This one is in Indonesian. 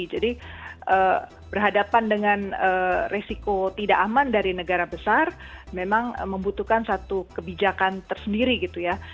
jadi berhadapan dengan resiko tidak aman dari negara besar memang membutuhkan satu kebijakan tersendiri gitu ya